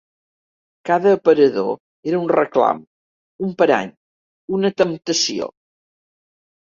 Cada aparador era un reclam, un parany, una temptació